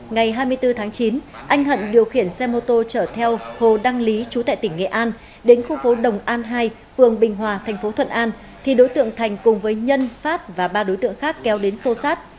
ngày hai mươi bốn tháng chín anh hận điều khiển xe mô tô chở theo hồ đăng lý chú tại tỉnh nghệ an đến khu phố đồng an hai phường bình hòa thành phố thuận an thì đối tượng thành cùng với nhân phát và ba đối tượng khác kéo đến sô sát